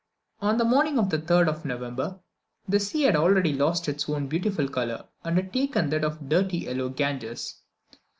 On the morning of the 3rd of November, the sea had already lost its own beautiful colour, and taken that of the dirty yellow Ganges.